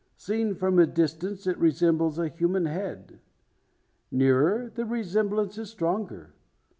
Seen from a distance it resembles a human head. Nearer, the resemblance is stronger.